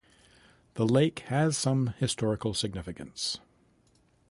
The lake has some historical significance.